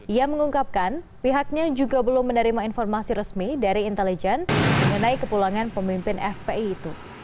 ia mengungkapkan pihaknya juga belum menerima informasi resmi dari intelijen mengenai kepulangan pemimpin fpi itu